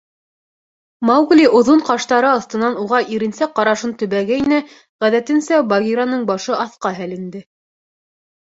Маугли оҙон ҡаштары аҫтынан уға иренсәк ҡарашын төбәгәйне, ғәҙәтенсә, Багираның башы аҫҡа һәленде.